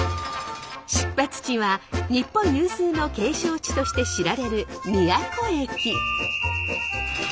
出発地は日本有数の景勝地として知られる宮古駅。